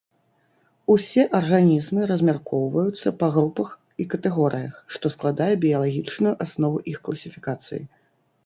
Усе арганізмы размяркоўваюцца па групах і катэгорыях, што складае біялагічную аснову іх класіфікацыі.